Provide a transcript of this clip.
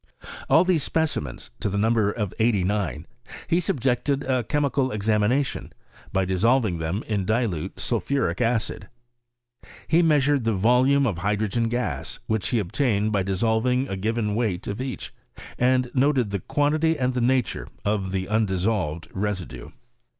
All these spect mens, to the number of eighty nine, he subjected to a chemical examination, by dissolving them in dilute sulphuric acid. He measured the volume of hydro gen gas, which he obtained by dissolving a given weight of each, and noted the quantity and the PKOO&ESS OF CHSMISTRT IN SWEDEN. 49 nature of the undissolved residue.